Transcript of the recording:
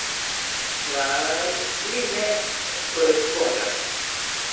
Ĉar ili ne korespondas.